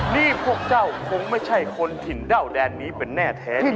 นี่พวกเจ้าคงไม่ใช่คนถิ่นเด้าแดนนี้เป็นแน่แท้จริง